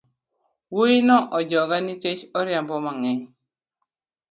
Wuoino ojogaa ni kech oriambo mangeny